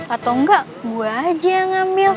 atau engga gua aja yang ngambil